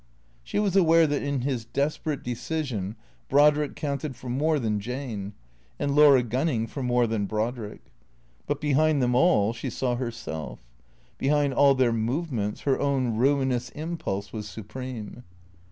She was aware that in his desperate de cision Brodrick counted for more than Jane, and Laura Gunning for more than Brodrick; but behind them all she saw herself; behind all their movements her own ruinous impulse was su preme.